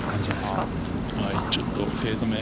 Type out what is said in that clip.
ちょっとフェードめ。